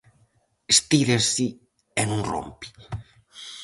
Estírase e non rompe.